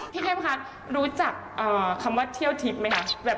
เข้มคะรู้จักคำว่าเที่ยวทิพย์ไหมคะ